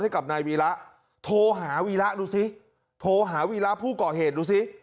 ให้กับนายวีระโทรหาวีระดูสิโทรหาวีระผู้ก่อเหตุดูสิ